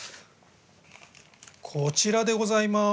こちらでございます！